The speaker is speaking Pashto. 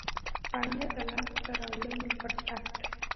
• ثانیه د لاسته راوړنې فرصت ده.